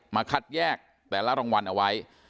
คัดแยกแต่ละรางวัลเอาไว้